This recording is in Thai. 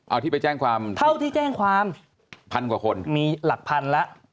เอาที่ไปแจ้งความพันกว่าคนมีหลักพันแล้ว